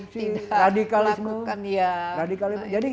tidak melakukan ya